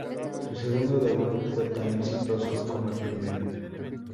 Su segundo debut fue tan exitoso como el primero.